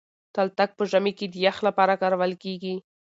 تلتک په ژمي کي د يخ لپاره کارول کېږي.